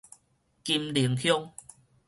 金寧鄉